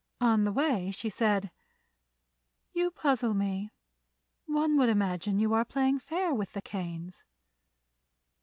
On the way she said: "You puzzle me. One would imagine you are playing fair with the Kanes."